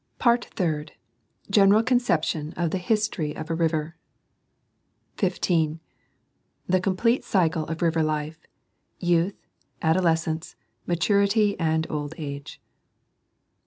"* Part Third. General conception of the history of a river. 15. 21ie complete cycle of river life: youth., adolescence, matu rity and old age.